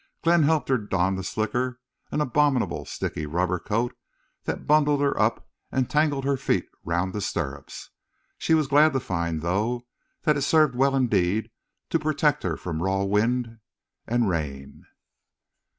Glenn helped her don the slicker, an abominable sticky rubber coat that bundled her up and tangled her feet round the stirrups. She was glad to find, though, that it served well indeed to protect her from raw wind and rain.